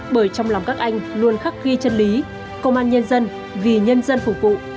bởi trong lòng các anh luôn khắc ghi chân lý công an nhân dân vì nhân dân phục vụ